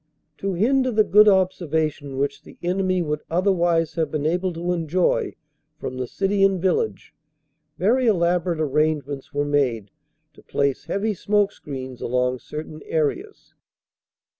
To hinder the good observation which the enemy would otherwise have been able to enjoy from the city and village, very elaborate arrange ments were made to place heavy smoke screens along certain areas.